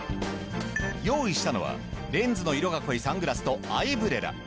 用意したのはレンズの色が濃いサングラスとアイブレラ。